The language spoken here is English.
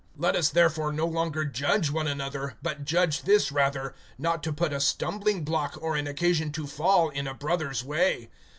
(13)Let us therefore no longer judge one another; but judge this rather, not to put a stumbling block, or an occasion to fall, in a brother's way.